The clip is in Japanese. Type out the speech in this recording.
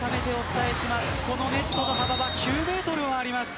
このネットの幅は９メートルもあります。